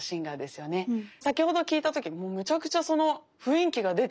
先ほど聴いた時もうめちゃくちゃその雰囲気が出てて。